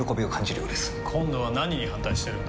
今度は何に反対してるんだ？